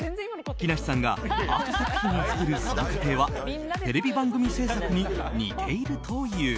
木梨さんがアート作品を作るその過程はテレビ番組制作に似ているという。